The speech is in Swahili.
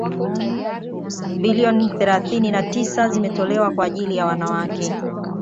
bilioni thelathini na tisa zimetolewa kwa ajiri ya wanawake